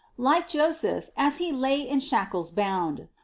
Like Joseph as he lay in shackles bound.